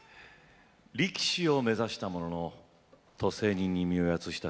力士を目指したものの渡世人に身をやつした主人公